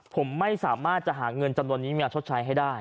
ผมไม่สามารถจะหาเงินจำนวนนี้มาชดใช้ให้ได้